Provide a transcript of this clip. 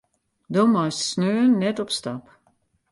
Do meist sneon net op stap.